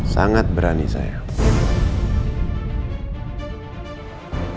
sangat berani sayang